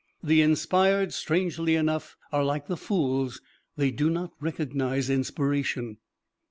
The inspired, strangely enough, are like the fools, they do not recognize inspiration.